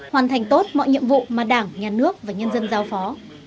hoàn thành tốt mọi nhiệm vụ mà đảng nhà nước và nhân dân giao phó